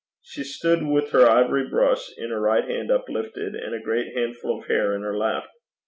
She stood with her ivory brush in her right hand uplifted, and a great handful of hair in her left.